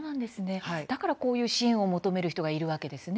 だから、こういう支援を求める人がいるわけですね。